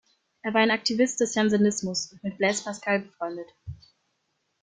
Er war ein Aktivist des Jansenismus und mit Blaise Pascal befreundet.